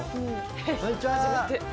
こんにちは。